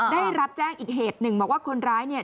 ได้รับแจ้งอีกเหตุหนึ่งบอกว่าคนร้ายเนี่ย